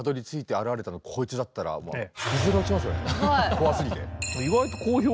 怖すぎて。